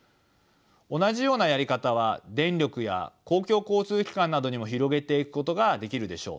同じようなやり方は電力や公共交通機関などにも広げていくことができるでしょう。